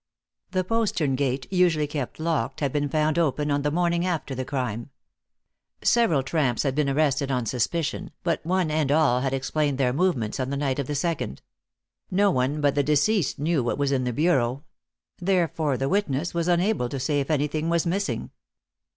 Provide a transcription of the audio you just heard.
The postern gate, usually kept locked, had been found open on the morning after the crime. Several tramps had been arrested on suspicion, but one and all had explained their movements on the night of the second. No one but deceased knew what was in the bureau, therefore witness was unable to say if anything was missing.